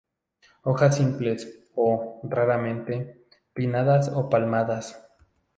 Hojas simples o, más raramente, pinnadas o palmadas.